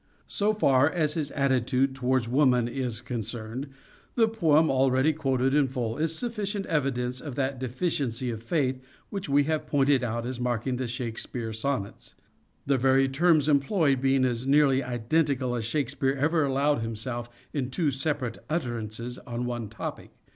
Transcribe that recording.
So far as his attitude towards woman is con Woman, cerned, the poem already quoted in full is sufficient evidence of that deficiency of faith which we have pointed out as marking the Shakespeare sonnets ; the very terms employed being as nearly identical as Shakespeare ever allowed himself in two separate utterances on one topic.